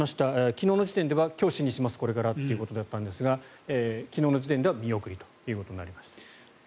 昨日の時点では今日審議しますということだったんですが昨日の時点では見送りとなりました。